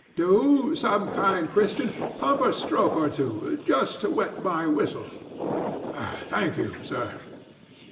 —Do, some kind Christian, pump a stroke or two, just to wet my whistle.—Thank you, sir!